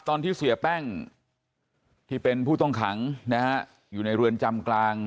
ตอนที่เสียแป้งที่เป็นผู้ต้องขังนะฮะอยู่ในเรือนจำกลาง